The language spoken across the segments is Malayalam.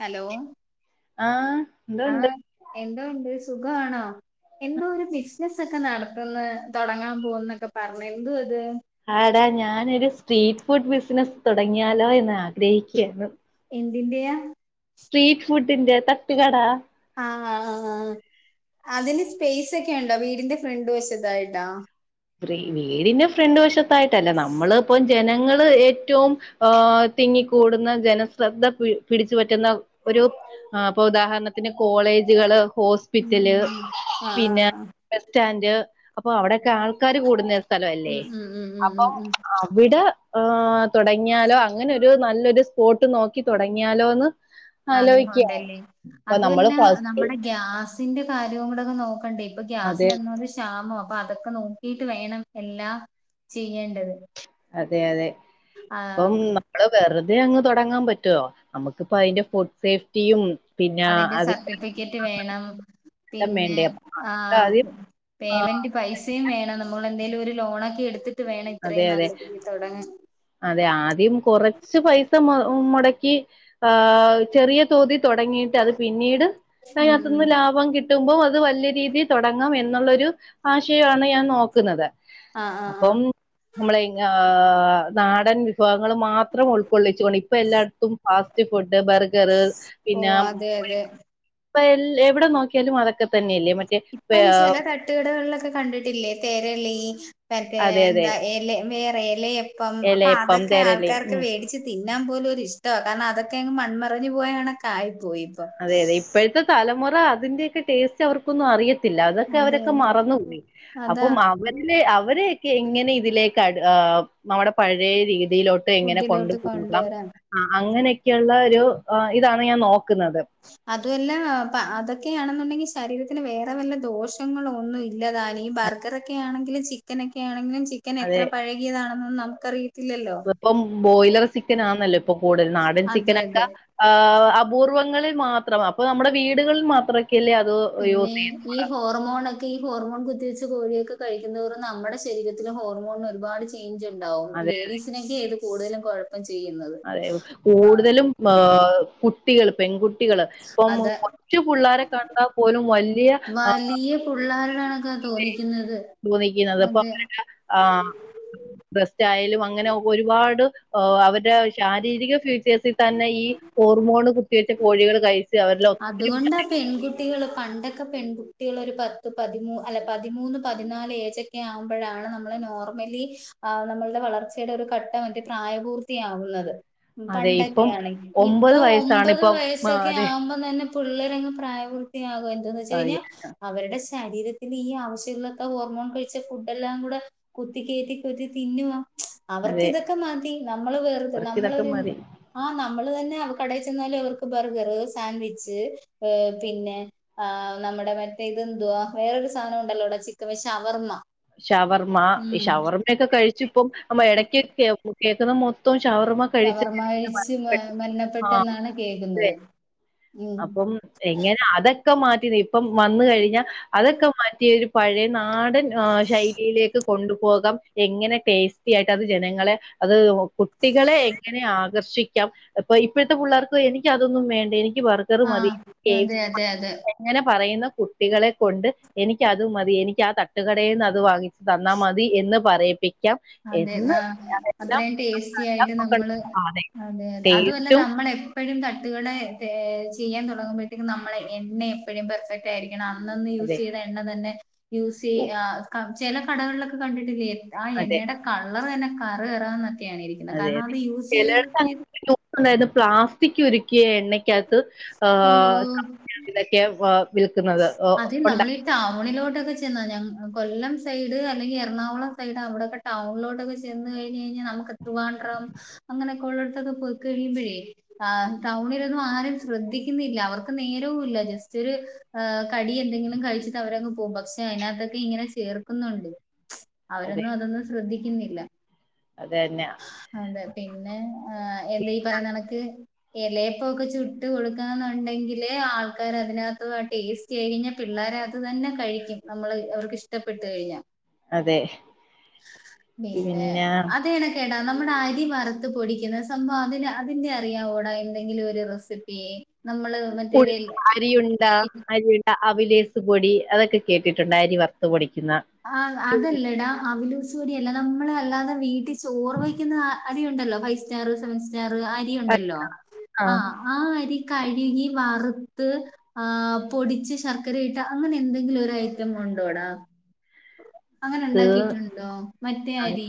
ഹലോ ആഹ് ആഹ എന്തുണ്ട് എന്തോ ഒണ്ട് സുഖാണോ എന്തോ ഒരു ബിസ്നസ് ഒക്കെ നടത്തുന്നേ തുടങ്ങാൻ പോകന്നൊക്കെ പറഞ്ഞു എന്തൊ അത് ആടാ ഞാനൊരു സ്ട്രീറ്റ് ഫുഡ് ബിസ്നസ്സ് തുടങ്ങിയാലോ എന്ന് ആഗ്രഹിക്കുവായിരുന്നു എന്തിന്റെയാ സ്ട്രീറ്റ് ഫുഡിന്റെ തട്ടുകട ആഹ ആ അതിന് സ്പേസ് ഒക്കെ ഉണ്ടൊ വീടിന്റെ ഫ്രണ്ട് വശത്തായിട്ട വീടിന്റെ ഫ്രണ്ട് വശത്തായിട്ടല്ലാ നമ്മള് പ്പോ ജനങ്ങള് ഏറ്റവും ആഹ തിങ്ങിക്കൂടുന്ന ജനശ്രദ്ധ പി പിടിച്ചു പറ്റുന്ന ഒരു ഇപ്പൊ ഉദാഹരണത്തിന് കോളേജുകള് ഹോസ് ഉം ഹോസ്പിറ്റല് ഉം ഉം ആഹ് ആഹ് പിന്നെ ആഹ് ബസ്റ്റാഡ് അപ്പൊ അവിടെക്കെ ആൾക്കാര് കൂടുന്നേ സ്ഥലല്ലേ ഉം ഉം ഉം ഉം അപ്പൊ ഉം ഉം അവിടെ ആഹ തൊ ടങ്ങിയാലോ അങ്ങനെ ഒരു നല്ലൊരു സ്പോട്ട് നോക്കി തൊ ടങ്ങിയാലോന്ന് ആഗ്രഹഒണ്ടല്ലി നമ്മള് അതുല്ല ഫസ്റ്റ് നമ്മുടെ ഗ്യാസിന്റെ കാര്യവും കൂടെ നോക്കണ്ടേ ഇപ്പൊ അതെ ഗ്യാസിന് ഒന്നാമ്മതേ ശാ [unintelligible] അതൊക്കെ നോക്കിട്ട് വേണം എല്ലാം ചെയ്യേണ്ടത് അതെ അതെ ആഹ് ഇപ്പം നമ്മള് വെറുതെ അങ് തുടങ്ങാൻ പറ്റോ നമുക്കിപ്പം അതിന്റെ ഫുഡ് സേഫ്റ്റിയും അതിന്റെ സർട്ടിഫിക്കറ്റ് വേണം എല്ലാം പിന്നെ വേണ്ടേ അപ്പൊ ആ നമുക്ക് ആദ്യം ആ പേയ്മെന്റ് പൈസയും വേണം നമ്മൾ എന്തെലും ഒരു ലോണൊക്കെ എടുത്തിട്ട് വേണം അതെ ഇത്രയും അതെ നല്ല രീതിയില് തുടങ്ങാൻ അതെ ആദ്യം കുറച്ച് പൈസ മുടക്കി ആ ചെറിയ തോതി തൊടങ്ങീട്ട് അത് പിന്നീട് ഉം അയ്നകത്ത്ന്ന് ഉം ലാഭം കിട്ട് കിട്ടുമ്പോൾ അത് വലിയ രീതിയിൽ തൊ ടങ്ങാം എന്നുള്ളൊരു ആശയമാണ് ഞാൻ നോക്കുന്നത് ആഹ് ആഹ് ആഹ് അപ്പം നമ്മളെയ് ങ്ങേ നാടൻ വിഭവഗങ്ങൾ മാത്രം ഉൾക്കൊള്ളിച്ചു കൊണ്ടി ഇപ്പ എല്ലായിടത്തും ഫാസ്റ്റ് ഫുഡ് ബർഗർ ഓ പിന്ന അതെ അതെ ഇപ്പ എൽ എവിടെ നോക്കിയാലും അതൊക് തൊക്കെ തന്നെയല്ലേ മറ്റേ. ഇപ്പം ചില തട്ടുകടകളിലൊക്കെ കണ്ടിട്ടില്ലേ തരളി മറ്റേ അതെ അതെ എന്താ എല വേറെ എല കം അപ്പൊ എലയപ്പം അതൊക്കെ തെരലയും ആൾക്കാർക്ക് ഉം മേടിച്ച് തിന്നാൻ പോലും ഒരി ഇഷ്ടമാണ് കാരണം അതൊക്കെങ്ങ് മൺമറിഞ്ഞു പോയാ കണക്കായി പോയി. ഇപ്പൊ അതെ അതെ ഇപ്പോഴത്തെ തലമുറ അതിന്റെയൊക്കെ ടേസ്റ്റ് അവർക്കൊന്നും അറിയ ല്ലാ അതൊക്കെ അതെ അവരൊക്കെ അതെ മറന്നുപോയി. അപ്പൊ അതാ അവ ഇല്ലേ അവരെയൊക്കെ എങ്ങനെ ഇതിലേക്ക്, ഏഹ് നമ്മടെ പഴയ രീതിയിലോട് പ്പേ എങ്ങനെ ഫുഡിലോട്ട് കൊണ്ടുപോണം. കൊണ്ടുവരാ അങ്ങനെയൊക്കെയുള്ള ഒരു ഇതാണ് ഞാൻ നോക്കുന്നത്. അതുവല്ലാ അതൊക്കെയാണെന്നുണ്ടെങ്കി ശരീരത്തിന് വേറെ വല്ല ദോഷങ്ങളോ ഒന്നു ഇല്ലതാനു. ഈ ബർ മകറൊക്കെ ആണെങ്കിലും ചിക്കനൊക്കെ ആണെങ്കിലും ചിക്കൻ അതെ എത്ര പഴകിയതാണെന്നൊന്നും നമുക്ക അറിയത്തില്ലല്ലോ ഇപ്പം ബോയിലർ ചിക്കൻ ആന്നല്ലോ ഇപ്പൊ കൂടുതൽ നാടൻ അതെ ചിക്കനൊക്കെ അതെ ഈഹ് അപൂർവ്വങ്ങളിൽ മാത്രം. അപ്പൊ നമ്മുടെ വീടുകളിൽ മാത്രക്കയല്ലേ അത് പിന്നെ യൂസ് ചെയ്യ് ഈ ഹോർമോണൊക്കെ ഈ ഹോർമോൺ കുത്തിവെച്ച കോഴിയൊക്കെ കഴിക്കുന്തോറും, നമ്മുടെ ശരീരത്തിൽ ഹോർമോൺ ഒരുപാട് ചെയ്ഞ്ച് ഉണ്ടാവും അതെ ലേഡീസിനൊക്കെത് കൂടുതലും കൊയപ്പം ചെയ്യുന്നത് ആ ആ കുട്ടികള് പെൺകുട്ടി കുട്ടികള്. ഇപ്പം അതെ കൊച്ച് പുള്ളാരെ കണ്ടാപ്പോലും വല്യ ആഹ് വലിയ പിള്ളേരുടെ കണക്കാ തോന്നിക്കുന്നത് തോന്നിക്കുന്നത്. അതെ അപ്പൊ അവരുടെ ആഹ് ഡ്രസ്റ്റ് ആയലും അങ്ങനെ ഒരുപാട് അവരുടെ ശാരീരിക ഫ്യൂച്ചേഴ്സിൽ തന്നെ ഈ ഹോർമോൺ കുത്തിവെച്ച കോഴികൾ കഴച്ച് അവരിൽ ഒത്തിരി [unintelligible] കുട്ടികള് പണ്ടൊക്കെ പെൺകുട്ടികൾ ഒരു പത്ത് പതിമൂന്ന് അല്ല പതിമൂന്ന് പതിനാല് ഏജൊ ക്കെ ആവുമ്പഴാണ് നമ്മള് നോർമലി നമ്മളുടെ വളർച്ചയുടെ ഒരു ഘട്ടം പ്രായപൂർ ക്യആവുന്നത് അതെ പണ്ടൊക്കെ ഇപ്പം യാണകിൽ ഒമ്പത് ഇപ്പം വയസ്സാണ് ഒമ്പത് ഇപ്പം വയസ്സ ആഹ് അതെ മ്പം തന്നെ പിള്ളേരങ്ങ്‌ പ്രായപൂർത്തിയാകു എന്താന്ന് വച്ച് അതെ കഴിഞ്ഞാ അവരുടെ ശരീരത്തിൽ ഈ ആവശ്യമില്ലാത്ത ഹോർമോൺ കഴിച്ച ഫുഡ് എല്ലാം കൂടെ കുത്തിക്കേറ്റി കുത്തി തിന്നുവാ. അവർക്ക് അതെ ഇതൊക്കെ മതി. നമ്മള് വെറുതെ, അവർക്ക് ഇതൊക്കെ നമ്മളൊരു മതി ആഹ് നമ്മള് തന്നെ അവ കടയി ചെന്നാല് അവർക്ക് ബർഗറ് സാൻവിച്ച് ഈഹ് പിന്നെ ആഹ് നമ്മുടെ മറ്റേ ഇതെന്തുവാ വേറൊരു സാധനം ഉണ്ടല്ലോ അടാ ചിക്കൻ പശവർമ്മ ഷവർമ്മ ഈ ഷവർമ്മയൊക്കെ കഴിച്ചിപ്പം നമ്മ ഇടക്കൊക്കെ [unintelligible] കേൾക്കുന്ന മൊത്തം ഷവർമ്മ കഴിച്ച് ഷവർമ കഴിച്ച് ആഹ് മരണപ്പെട്ടെന്നാണ് കേക്ക്ന്നത്. അപ്പം എങ്ങന അതൊക്കെ മാറ്റിനി ഇപ്പം വന്ന് കഴിഞ്ഞാ അതൊക്കെ മാറ്റിയൊരു പഴയ നാടൻ ശൈലിയിലേക്ക് കൊണ്ടുപോകാം എങ്ങനെ ടേസ്റ്റി ആയിട്ട് അത് ജനങ്ങളെ അത് കുട്ടികളെ എങ്ങനെ ആകർഷിക്കാം. അപ്പൊ ഇപ്പോഴത്തെ പുള്ളേർക്ക് എനിക്ക്‌ അതൊന്നും വേണ്ട എനിക്ക് ബർ ത്തറ് മതി. ആഹ് അതെ ടേസ്റ്റ് അതെ അതെ [unintelligible] അങ്ങനെ പറയുന്ന കുട്ടികളെ കൊണ്ട് എനിക്കത് മതി എനിക്ക് ആ തട്ടുകടയിൽ നിന്ന് അത് വാങ്ങി തന്നാൽ മതി എന്ന് പറയിപ്പിക്ക അതേല. അത്രയും ടേസ്റ്റി ആയിട്ട് നമ്മള്, അതെ അതെതെ അതുമല്ല ടേസ്റ്റും നമ്മളെപ്പ എപ്പഴും തട്ടുകട ചെയ്യാൻ തൊടങ്ങുമ്പഴത്തേക്കും നമ്മളെ എണ്ണ എപ്പഴും പെർഫെക്റ്റ് ണം. അന്ന് നി യൂസ് അതെ ചെയ്ത എണ്ണ തന്നെ. യൂസി ആ ക ചില കടകളിലൊക്കെ കണ്ടിട്ടില്ലേ ആ അതെ എണ്ണയുടെ, കളർ തന്നെ കറി കയറന്നൊക്കെയ ആാണ് ഇരിക്കുന്നത് കാരണം അത് യൂസ് ചെയ്ത് യൂസ് ചെയ്ത് അതായത് പ്ലാസ്റ്റിക് ഉരുക്കിയ എണ്ണക്കകത്ത് ഓ [unintelligible] വിൽക്കുന്നത് ഓ അത് ഉണ്ട നമ്മളീ ടൗണിലോട്ടൊക്കെ ചെന്നാ ഞ കൊല്ലം സൈഡ് അല്ലെങ്കിൽ എറണാകുളം സൈഡ് അവിടെക്കെ ടൗണിലോട്ടൊക്കെ ചെന്ന് കഴിഞ് കഴിഞ്ഞാൽ നമക്ക് എ ത്രവാണ്ട്രം അങ്ങനെയൊക്കൊ ഉള്ളടത്തൊക്കെ പോയിക്കഴിയുമ്പഴേ ആ ടൗണിലൊന്നും ആരും ശ്രദ്ധിക്കുന്നില്ല. അവർക്ക് നേരവുല്ല. ജസ്റ്റ് ഒരു ആ കടി എന്തെങ്കിലും കഴിച്ചിട്ട് അവരങ്ങ് പോകും പക്ഷെ അതിനകത്തൊക്കെ ഇങ്ങനെ ചേർക്കുന്നുണ്ട് അവരൊന്നു അതൊന്നു ശ്രദ്ധിക്ക്ന്നില്ല. അതന്നെ അതെ. പിന്നെ എന്താ ഈ പറയുന്ന കണക്ക് എലയേപ്പോക്കെ ചുട്ട് കൊടുക്കാന്നുണ്ടെങ്കില് ആൾക്കാര അതിനകത്ത് ആ ടേസ്റ്റ് കഴിഞ്ഞ പിള്ളേരെ അത് തന്നെ കഴിക്കും നമ്മള് അവർക്ക് ഇഷ്ടപ്പെട്ടു കഴിഞ്ഞാ. അതെ പിന്നെ അതണക്ക് എടാ നമ്മുടെ അരി വറുത്ത് പൊടിക്കുന്നത് സംഭവ അതിന് അതിന്റെ അറിയാംവൊടാ എന്തെങ്കിലും ഒരു റെസിപ്പി നമ്മള് മറ്റേ വെൽ- അരിയുണ്ട അരി അവിലേസ് പൊടി അതൊക്കെ കേട്ടിട്ടുണ്ട അരി വറത്തു പൊടിക്കുന്ന. ആഹ് അതല്ലെടാ അവലൂസ് പൊടിയല്ല നമ്മള് അല്ലാതെ വീട്ടിൽ ചോറ് കഴിക്കുന്ന അരി ഉണ്ടല്ലോ? ഫൈവ് സ്റ്റാർ സെവൻ സ്റ്റാർ അരിയ ഉണ്ടല്ലോ. ആ ആഹ് ആഹ് അരി കഴുകി വറുത്ത് ആഹ് പൊടിച്ച് ശർക്കര ഇട്ട, അങ്ങനെ എന്തെങ്കിലു ഒരു ഐറ്റം ഉണ്ടോടാ? അങ്ങനെ ഉണ്ടാക്കിട്ടുണ്ടോ മറ്റേ അത് അരി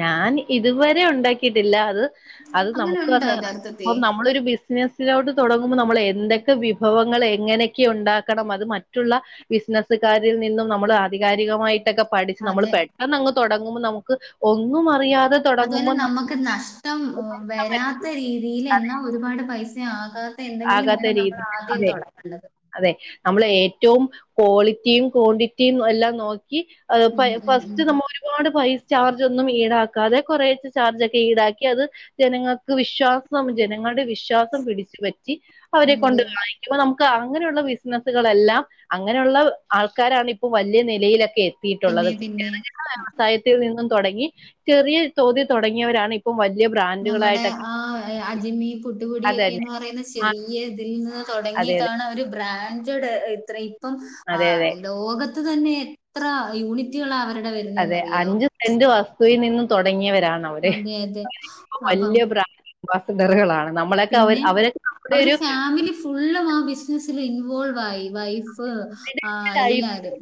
ഞാൻ ഇതുവരെ ഉണ്ടാക്കിയിട്ടില്ല അത് അത് അങ്ങനെ നമുക്ക് ഉണ്ടോ അത് ഇപ്പ യഥാർത്ഥത്തിൽ നമ്മളൊരു ബിസിനസ്സിലോട്ട് തുടങ്ങുമ്പോൾ, നമ്മൾ എന്തൊക്കെ വിഭവങ്ങൾ എങ്ങനെയൊക്കെ ഉണ്ടാക്കണം. അത് മറ്റുള്ള ബിസിനസുകാരിൽ നിന്നും നമ്മള് ആധികാരികമായി പഠിച്ച് നമ്മൾ അത് പെട്ടെന്ന് അങ്ങ് തോടങ്ങുമ്പോൾ നമുക്ക് ഒന്നും അറിയാതെ അതുപലെ തുടങ്ങുമ്പോൾ നമ്മളെ നമുക്ക് നഷ്ടം വരാത്ത രീതിയിൽ എന്നാ ഒരുപാട് പൈസ ആകാ എന്തെങ്കിലും ആകാത്ത വേണം നമ്മൾ രീതി ആദ്യം അതെ തൊടങേണ്ടത് അതെ നമ്മള് ഏറ്റവും ക്വാളിറ്റിയും ക്വാണ്ടിറ്റിയും എല്ലാം നോക്കി അതിപ്പ ഉം ഉം ഫസ്റ്റ് ഉം നമ്മളൊരു ഒരുപാട് പൈസ ചാർജ് ഒന്നും ഈടാക്കാതെ കുറേ ചാർജ് ഒക്കെ ഈടാക്കി അത്. ജനങ്ങൾക്ക് വിശ്വാസം ജനങ്ങളുടെ വിശ്വാസം പിടിച്ചുപറ്റി അവരെ അതെ കൊണ്ട് വങ്ങ ഇപ്പൊ നമുക്ക് അങ്ങനെയുള്ള ബിസിനസ്സുകളെല്ലാം അങ്ങനെയുള്ള ആൾക്കാരാണ് ഇപ്പ വലിയ നിലയിലൊക്കെ എ യിട്ടുള്ളത്. പിന്നെ പിന്നെ [unintelligible] വ്യവസായത്തിൽ നിന്നും തുടങ്ങി ചെറിയ തോതി തുടങ്ങിയവരാണ് ഇപ്പ ഇപ്പം വലിയ ബ്രാൻഡുകളായിട്ടൊക്കെ അജിമി അതന്നെ പുട്ട്പൊടിയൊക്കെയന്ന് പറയുന്ന ചെറിയ ഇതിൽ നിന്ന് അതെ അതെ തുടങ്ങിയിട്ടാണ് അവര് ബ്രാൻഡ് ഇ ഇപ്പം അതെ അതെ ലോകത്ത് തന്നെ എത്ര യൂണിറ്റുകൾ അവരുടെ വരു അതെ അഞ്ച് സെന്റ് വസ്തുവിൽ നിന്നും തുടങ്ങിയവരാണ് ന അതെയതെ അപ്പം വസഡറുകളാണ് നമ്മളൊക്കെ അവർ പിന്നെ അവരൊ നമ്മുടെ അവര് ഒരു ഫാമിലി ഫുള്ളും ആ ബിസിനസ്സില് ഇൻവോൾവായി, വൈഫ് ആഹ് എല്ലാരും.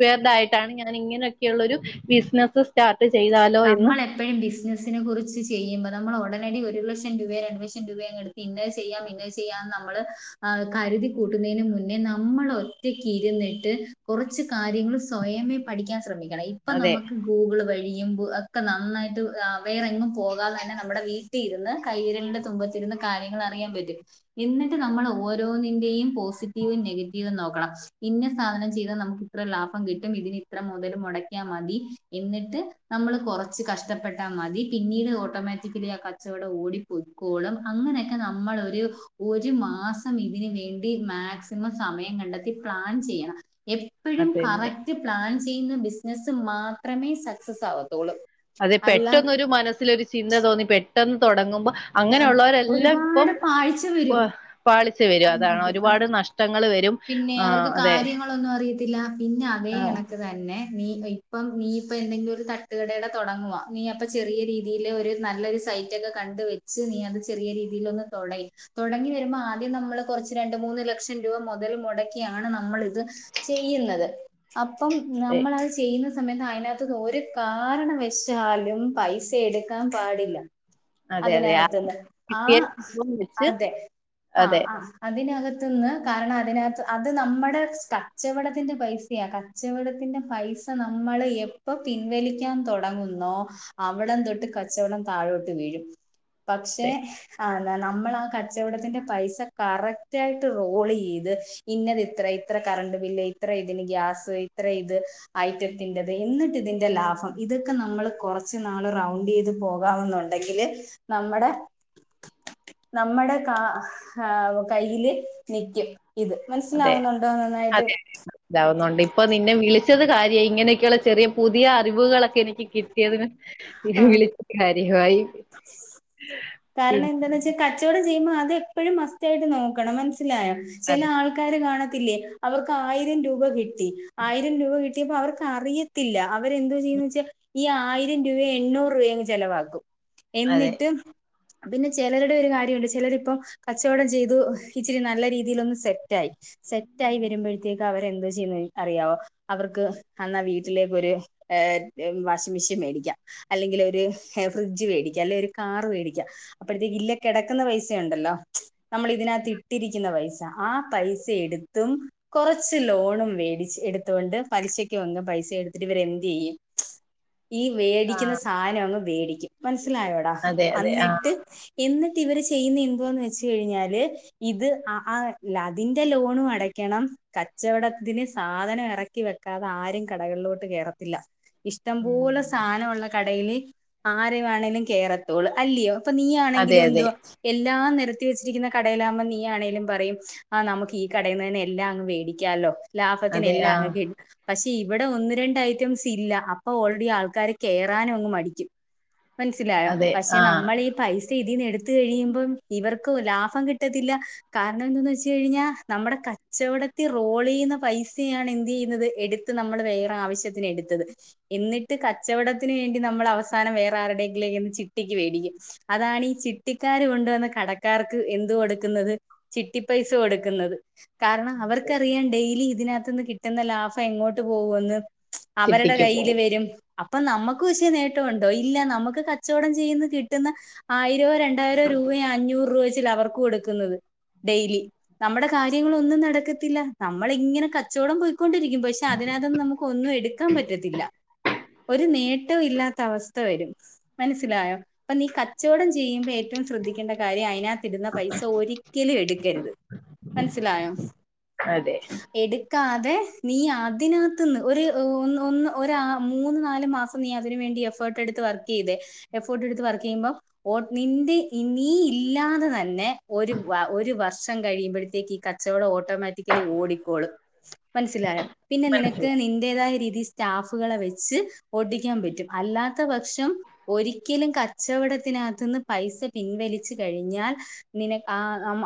വെറതായിട്ടാണ് ഞാൻ ഇങ്ങനെയൊക്കെയള്ള ഒരു ബിസിനസ്സ് സ്റ്റാർട്ട് ചെയ്താലോ എന്ന്, നമ്മൾ എപ്പോഴും ബിസിനസ്സിനെ കുറിച്ച് ചെയ്യുമ്പോ നമ്മൾടനടി ഒരു ലക്ഷം രൂപ രണ്ട് ലക്ഷം രൂപയങ്ങടുക്കും. ഇന്നത് ചെയ്യാം ഇന്നത് ചെയ്യാന്ന് നമ്മള് ആ കരുതി കൂട്ടുന്നതിന് മുന്നേ നമ്മൾ ഒറ്റക്ക് ഇരുന്നിട്ട് കുറച്ച് കാര്യങ്ങളു സ്വയമേ പഠിക്കാൻ ശ്രമിക്കണം ഇപ്പ അതെ. നമുക്ക് ഗൂഗിൾ വഴിയും ഒക്കെ നന്നായിട്ട് വേറെ എങ്ങും പോകാതെ തന്നെ നമ്മുടെ വീട്ടി ഇരുന്ന് കൈയിരലിന്റെ തുമ്പത്തിരുന്ന് കാര്യങ്ങൾ അറിയാൻ പറ്റും. എന്നിട്ട് നമ്മൾ ഓരോന്നന്റെയും പോസിറ്റീവും നെഗറ്റീവും നോക്കണം. ഇന്ന സാധനം ചെയ്താൽ നമുക്ക് ഇത്ര ലാഭം കിട്ടും ഇതിന് ഇത്ര മുതൽ മുടക്കിയാൽ മതി എന്നിട്ട് നമ്മള് കുറച്ച് കഷ്ടപ്പെട്ടാ മതി പിന്നീട് ഓട്ടോമാറ്റിക്കലി ആ കച്ചവടം ഓടി പക്കോളും അങ്ങനെയൊക്കെ നമ്മളൊരു ഒരു മാസം ഇതിന് വേണ്ടി മാക്സിമം സമയം കണ്ടെത്തി പ്ലാൻ ചെയ്യണം എപ്പോഴും അതന്നെ. കറക്റ്റ് പ്ലാൻ ചെയ്യുന്ന ബിസിനസ്സ് മാത്രമേ സക്സസ് ആകത്തൊള്ളൂ. അതെ പെട്ടെന്നൊരു മനസ്സിലൊരു ചിന്ത തോന്നി പെട്ടെന്ന് തൊടങ്ങുമ്പോ അങ്ങനെയുള്ളവരെല്ലാം ഇപ്പം ഒരുപാട് പാഴ്ച ഇപ്പ പാളിച്ച വരും അതാണ് ഒരുപാട് നഷ്ടങ്ങള് വരും പിന്നെ ആ അവർക്ക് അതെ. കാര്യങ്ങളൊന്നും അറിയത്തില്ല പിന്നെ അവേ ആ കണക്ക് അതന്നെ നീ ഇ ഇപ്പം നീ ഇപ്പം എന്തെങ്കിലൊരു തട്ട് കടയുടെ തൊടങ്ങ നീ അപ്പം ചെറിയ രീതിയില് ഒരു നല്ലൊരു സൈറ്റ് ഒക്കെ കണ്ട് വെച്ച് നീ അത് ചെറിയ രീതിയിലൊന്ന് തുടയ് തൊടങ്ങി വരുമ്പം ആദ്യം നമ്മള് കൊറച്ച് രണ്ട് മൂന്ന് ലക്ഷം രൂപ മൊ മുതൽ മൊടക്കിയാണ് നമ്മളിത് ചെയ്യുന്നത് അപ്പം അതെ. നമ്മളത് ചെ ചെയ്യുന്ന സമയത്ത് അയിനാത്തൂന്നൊര് കാരണവശാലും പൈസ എടുക്കാൻ പാടില്ല അതെ, അതെ. ആ അതിനകത്ത്ന്ന് കിട്ടിയ ആഹ് സംഭവം വെച്ച് അതെ അഹ് അതെ, അഹ് അതിനകത്ത്ന്ന് കാരണം അ അതിനകത്ത് അത് നമ്മടെ സ് കച്ചവടത്തിന്റെ പൈസയാ കച്ചവടത്തിന്റെ പൈസ നമ്മള് എ പ്പൊ പിൻവലിക്കാൻ തൊടങ്ങുന്നോ അവിടം തൊട്ട് കച്ചവടം താഴോട്ട് വീഴും പക്ഷെ അതെ, അഹ് ന നമ്മളാ ക കച്ചവടത്തിന്റെ പൈസ കറക്റ്റായിട്ട് റോളെയ്ത് ഇന്നത് ഇത്ര ഇത്ര കറണ്ട് ബില്ല് ഇത്ര ഇതിന് ഗ്യാസ് ഇത്ര ഇത് ഐറ്റത്തിന്റത് എന്നിട്ടിതിന്റെ ലാഭം ഇതൊക്കെ നമ്മള് കുറച്ച് നാള് റൗണ്ടെയ്ത് പോകാവുന്നു ണ്ടെങ്കില് നമ്മടെ നമ്മടെ കാ ആവു കയ്യില് നിക്കും ഇത് അതെ, മനസ്സിലാവുന്നുണ്ടോ നന്നായിട്ട് അതെ. ഇതാവുന്നുണ്ട് ഇപ്പൊ നിന്നെ വിളിച്ചത് കാര്യായി ഇങ്ങനെയൊക്കെയുള്ള ചെറിയ പുതിയ അറിവുകളൊക്കെ എനിക്ക് കിട്ടിയതിന് ങ്ഹ് ആഹ് വിളിച്ചിട്ട് കാര്യവായി കാരണം എന്തെന്ന് വെച്ച കച്ചോടം ചെയ്യുമ്പോ അത് എപ്പോഴും മസ്റ്റായിട്ട് നോക്കണം മനസ്സിലായോ ചെല ആൾ ആൾക്കാര് കാണത്തില്ലേ അവർക്ക് ആയിരം രൂപ കിട്ടി ആയിരം രൂപ കിട്ടിയപ്പോ അവർക്കറിയ ത്തില്ല അവരെന്തോ ചെയ്യൂന്ന് വെച്ച ഈ ആയിരം രൂപ എണ്ണൂറ് രൂപയങ് ചെലവാക്കും അതെ എന്നിട്ട് പിന്നെ ചെലരുടെ ഒരു കാര്യുണ്ട് ചെലരിപ്പം കച്ചോടം ചെയ്തു ഇച്ചിരി നല്ല രീതിയിലൊന്ന് സെറ്റായി സെറ്റായി വരുമ്പോഴത്തേ അവരെന്തോ ചെയ്യുന്നെ അറിയാവോ അവർക്ക് അന്നാവീട്ടിലേക്കൊര് ഏഹ് എ വാഷിംഗ് മിഷൻ മേടിക്കാം അല്ലെങ്കിലൊര് ഹെ ഫ്രിഡ്ജ് വേടിക്കാം അല്ലെ ഒര് കാറ് വേടിക്കാം ക്ക അപ്പഴത്തേക്ക് ഇല്ലേ കെടക്ക്ന്ന പൈസുണ്ടല്ലോ മ്ച് നമ്മളിതിനകത്തിട്ടിരിക്ക്ന്ന പൈസ ആഹ് പൈസയെടുത്തും കൊറച്ച് ലോണും മേടിച്ച് എടുത്തൊണ്ട് പലിശക്ക് വന്ന് പൈസ എടുത്തിട്ട് ഇവര് എന്ത് യ്യും? ഈ ആ വേടിക്കുന്ന സാനം അങ്ങ് വേടിക്കും മനസ്സിലായോടാ? അതെ അതെ ആ അന്നിട്ട് എന്നിട്ട് ഇവര് ചെയ്യുന്ന എന്തുവാന്ന് വെച്ച് കഴിഞ്ഞാല്? ഇത് ആ ആ ലതിന്റെ ലോണും അടയ്ക്കണം കച്ചവടത്തിന് സാധനം എറക്കി വെക്കാതെ ആരും കടകളിലോട്ട് കേറത്തില്ല. ഇഷ്ടം പോലെ ഉം സാനമുള്ള കടേല് ആരെ വേണമെങ്കിലും കേറത്തോളൂ അല്ലയോ അപ്പ നീ അതെ ആണെങ്കിലും അതെ എന്തുവാ എല്ലാം നിരത്തി വെച്ചിരിക്കുന്ന കടയിലാവുമ്പം നീ ആണെങ്കിലും പറയും ആ നമുക്ക് ഈ കടയിന്നന്നെ എല്ലാം അങ്ങ് വേടിക്കാല്ലോ ലാഭത്തിന് അതെ എല്ലാം ആ അങ്ങ് കി പക്ഷെ ഇവിടെ ഒന്ന് രണ്ട് ഐറ്റംസ് ഇല്ല അപ്പൊ ഓൾറെഡി ആൾക്കാര് കേറാനും അങ്ങ് മടിക്കും. മനസ്സിലായോ അതെ പക്ഷെ ആ നമ്മള് ഈ പൈസ ഇതിന്ന് എടുത്ത് കഴിയുമ്പം ഇവർക്ക്‌ ലാഭം കിട്ടത്തില്ല കാരണം എന്താന്ന് വെച്ച് കഴിഞ്ഞാൽ നമ്മുടെ കച്ചവടത്തിൽ റോൾ ചെയ്യുന്ന പൈസയാണ് എന്ത് ചെയ്യുന്നത് എടു ഇത് നമ്മൾ വേറെ ആവശ്യത്തിന് എടുത്തത് എന്നിട്ട് കച്ചവടത്തിന് വേണ്ടി നമ്മൾ അവസാനം വേറെ ആരുടെയെങ്കിലേന്ന് ചിട്ടിക്ക് മേടിക്കും അതാണ് ഈ ചിട്ടിക്കാര് കൊണ്ടുവന്ന കടക്കാർക്ക് എന്ത് കൊടുക്കുന്നത് ചിട്ടിപ്പൈസ കൊടുക്കുന്നത്. കാരണം അതെ അവർക്കറിയാം ഡെയിലി ഇതിനകത്തു നിന്ന് കിട്ടുന്ന ലാഭം എങ്ങോട്ട് പോവുന്ന് അവരടെ ചിട്ടിക്ക് കയ്യില് പോവും വരും അപ്പൊ നമ്മക്ക് പക്ഷേ നേട്ടവൊണ്ടോ ഇല്ല നമുക്ക് കച്ച ച്ചൊടംചെയ്ത് കിട്ടുന്ന ആയിരോ രണ്ടായിരോ രൂപയോ അഞ്ഞൂറ് രൂപ വെച്ച് ലവർക്ക് കൊടു ക്ന്നത് ഡെയിലി നമ്മടെ കാര്യങ്ങള് അതെ ഒന്നും നടക്കത്തില്ല. നമ്മള് ഇങ്ങനെ കച്ചവടം പോയ്ക്കൊണ്ടിരിക്കും പക്ഷെ അതിനകത്ത്ന്ന് നമുക്ക് ഒന്നും എടുക്കാൻ പറ്റത്തില്ല ഒരു നേട്ടവും ഇല്ലാത്ത അവസ്ഥ വരും മനസ്സിലായോ? അപ്പൊ നീ കച്ചവടം ചെയ്യുമ്പോ ഏറ്റവും ശ്രദ്ധിക്കേണ്ട കാര്യം അതിനകത്തിടുന്ന പൈസ ഒരിക്കലും എടുക്കരുത്. മനസ്സിലായോ അതെ എടുക്കാതെ നീ അതിനകത്ത്ന്ന് ഒരു ഒ ഒന്ന് ഒര് മൂന്ന് നാല് മാസം നീ അതിന് വേണ്ടി എഫർട്ട് എടുത്ത് വർക്ക് ചെയ്ത് എഫോർട്ട് എടുത്ത് വർക്ക് ചെയ്യുമ്പം ഓ നിന്റെ നീ ഇല്ലാതെ തന്നെ ഒരു വ ഒരു വർഷം കഴിയുമ്പോഴത്തേക്ക് ഈ കച്ചവടം ഓട്ടോമാറ്റിക്കലി ഓടിക്കോളും മനസ്സിലായ പിന്നെ നിനക്ക് മനസ്സിലായി നിന്റേതായ രീതിൽ സ്റ്റാഫുകളെ വെച്ച് ഓട്ടിക്കാൻ പറ്റും അല്ലാത്ത പക്ഷം. ഒരിക്കലും കച്ചവടത്തിനകത്ത്ന്ന് പൈസ പിൻവലിച്ച് കഴിഞ്ഞാൽ നിന ആ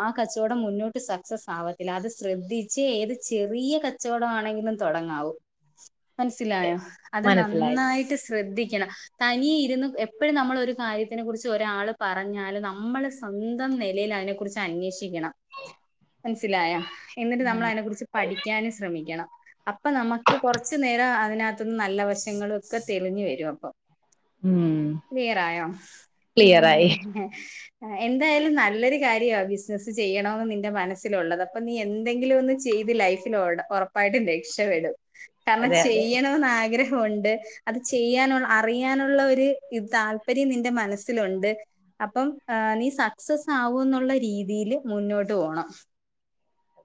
ആ കച്ചവടം മുന്നോട്ട് സക്സസ് ആവത്തില്ല അത് ശ്രദ്ധിച്ച് ഏത് ചെറിയ കച്ച് കച്ചൊവടം ആണെങ്കിലും തൊടങ്ങാവൂ. അതെ മനസ്സിലായോ അത് മനസ്സിലായി നന്നായിട്ട് ശ്രദ്ധിക്കണം തനി എപ്പോഴും നമ്മൾ ഒരു കാര്യത്തിനെ കുറിച്ച് ഒരാള് പറഞ്ഞാലും നമ്മള് സ്വന്തം നിലയിൽ അതിനെ കുറിച്ച് അന്വേഷിക്കണം മനസ്സിലായ എന്നിട്ട് നമ്മള് ഉം അയിനെ കുറിച്ച് പഠിക്കാനും ശ്രമിക്കണം. അപ്പൊ നമുക്ക് കുറച്ചു നേരം അതിനകത്ത്ന്ന് നല്ല വശങ്ങള ഒക്കെ തെളിഞ്ഞു വരും അപ്പൊ ഉം ക്ലിയർ ആയോ പിന്നെ ക്ലിയറായി എന്തായാലും നല്ലൊരു കാര്യവ ബിസിനസ്സ് ചെയ്യണന്ന് നിന്റെ മനസ്സിലുള്ളത് അപ്പൊ നീ എന്തെങ്കിലും ഒന്ന് ചെയ്ത് ലൈഫ് ഉറപ്പായിട്ടും രക്ഷപ്പെടും കാരണം അതെ അതെ ചെയ്യണന്ന് ആഗ്രഹൊണ്ട് അത് ചെയ്യാന് അറിയാനുള്ള ഒരു ത് താല്പര്യം നിന്റെ മനസ്സിലൊണ്ട്- അപ്പം നീ സക്സസ് ആവും എന്നുള്ള രീതിൽ മുന്നോട്ട് പോണം.